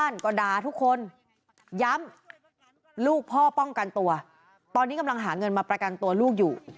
ย้ำลูกพ่อป้องกันตัวตอนนี้กำลังหาเงินมาประกันตัวลูกอยู่